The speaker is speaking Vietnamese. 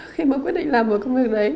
khi mà quyết định làm một công việc đấy